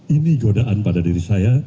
ini godaan pada diri saya